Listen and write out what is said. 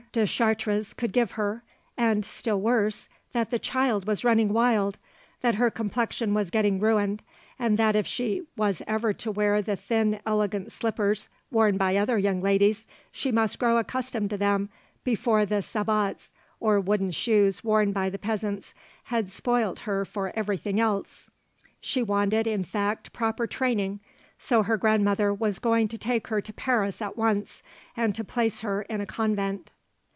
Deschartres could give her, and, still worse, that the child was running wild, that her complexion was getting ruined, and that if she was ever to wear the thin elegant slippers worn by other young ladies, she must grow accustomed to them before the sabots, or wooden shoes worn by the peasants, had spoilt her for everything else. She wanted, in fact, proper training, so her grandmother was going to take her to Paris at once, and to place her in a convent.